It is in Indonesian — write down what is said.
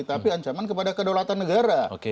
tapi ancaman kepada kedaulatan negara